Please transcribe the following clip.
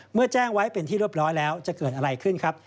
เมื่อแจ้งไว้เป็นที่เรียบร้อยแล้วจะเกิดอะไรขึ้นครับ